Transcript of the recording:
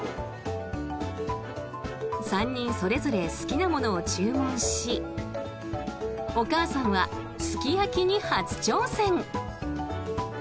３人それぞれ好きなものを注文しお母さんはすき焼きに初挑戦。